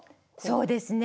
そうですね